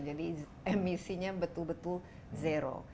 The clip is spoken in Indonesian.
jadi emisinya betul betul zero